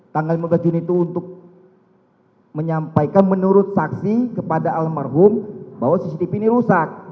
tanggal lima belas juni itu untuk menyampaikan menurut saksi kepada almarhum bahwa cctv ini rusak